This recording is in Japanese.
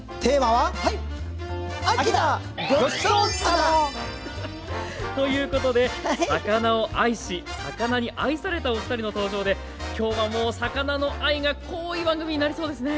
はい！ということで魚を愛し魚に愛されたおふたりの登場できょうはもう魚の愛がこい番組になりそうですね。